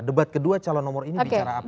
debat kedua calon nomor ini bicara apa